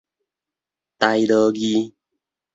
台羅字